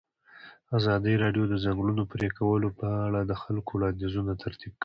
ازادي راډیو د د ځنګلونو پرېکول په اړه د خلکو وړاندیزونه ترتیب کړي.